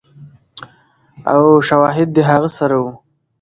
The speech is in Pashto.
او شواهد د هغه سره ؤ